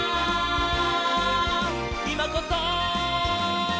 「いまこそ！」